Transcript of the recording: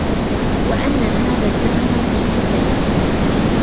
وأَنَّ هذا الدهرَ في هَزله